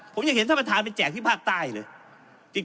ผมยังเห็นท่านประธานไปแจกที่ภาคใต้เลย